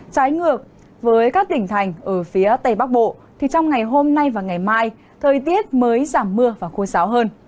trái ngược với các tỉnh thành ở phía tây bắc bộ thì trong ngày hôm nay và ngày mai thời tiết mới giảm mưa và khô giáo hơn